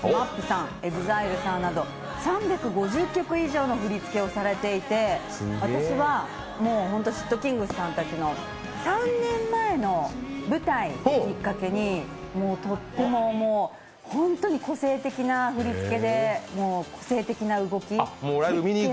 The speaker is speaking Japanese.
ＥＸＩＬＥさんなど、３５０曲以上の振り付けをされていて、私はｓ＊＊ｔｋｉｎｇｚさんたちの３年前の舞台をきっかけにとっても、本当に個性的な振り付けで個性的な動き。